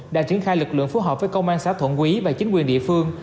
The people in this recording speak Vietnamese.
đã triển khai lực lượng phù hợp với công an xã thuận quý và chính quyền địa phương